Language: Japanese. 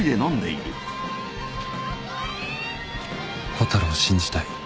蛍を信じたい